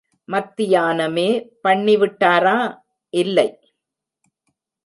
மத்தியானமே பண்ணிவிட்டாரா? இல்லை!